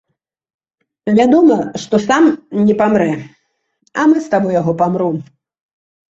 Вядома, што сам не памрэ, а мы з табой яго памром.